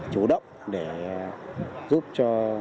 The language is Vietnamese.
chủ động để giúp cho